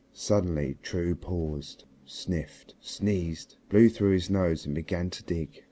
Suddenly True paused, sniffed, sneezed, blew through his nose and began to dig.